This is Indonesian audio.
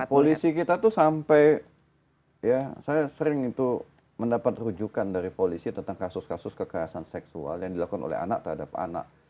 polisi kita tuh sampai ya saya sering itu mendapat rujukan dari polisi tentang kasus kasus kekerasan seksual yang dilakukan oleh anak terhadap anak